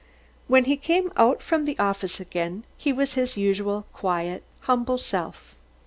When he came out from the office again, he was his usual quiet, humble self.